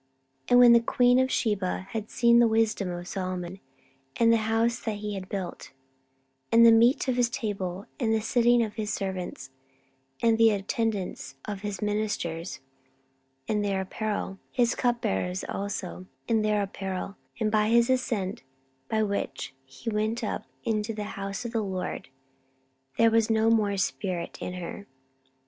14:009:003 And when the queen of Sheba had seen the wisdom of Solomon, and the house that he had built, 14:009:004 And the meat of his table, and the sitting of his servants, and the attendance of his ministers, and their apparel; his cupbearers also, and their apparel; and his ascent by which he went up into the house of the LORD; there was no more spirit in her.